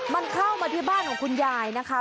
มันเข้ามาที่บ้านของคุณยายนะคะ